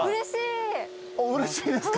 うれしいですか？